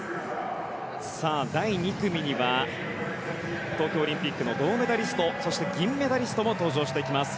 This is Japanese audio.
第２組には東京オリンピックの銅メダリスト、銀メダリストも登場してきます。